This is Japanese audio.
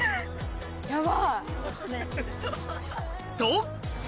と！